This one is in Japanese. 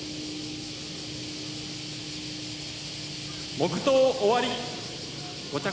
黙とう終わり。